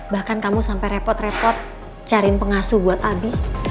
bahkan kamu sampai repot repot cariin pengasuh buat abi